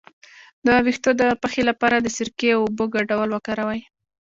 د ویښتو د پخې لپاره د سرکې او اوبو ګډول وکاروئ